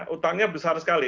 hutangnya besar sekali